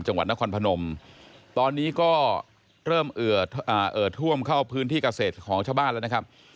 จังหวัดนครพนมตอนนี้ก็เริ่มเอ่อท่วมเข้าพื้นที่เกษตรของชาวบ้านแล้วนะครับ